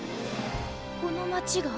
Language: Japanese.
この街が？